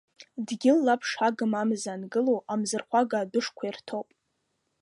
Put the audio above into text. Дгьыл лаԥш агым амза ангыло, амзырхәага адәышқәа ирҭоуп.